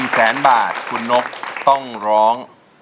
๑แสนบาทคุณนกต้องร้อง